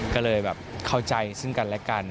ก็เลยแบบเข้าใจซึ่งกันและกัน